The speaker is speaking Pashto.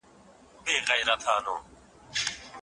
د طلاق کچه په کلتوري تعاملاتو باندې تاثیر لري.